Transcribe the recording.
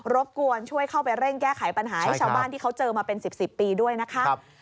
บกวนช่วยเข้าไปเร่งแก้ไขปัญหาให้ชาวบ้านที่เขาเจอมาเป็น๑๐ปีด้วยนะคะ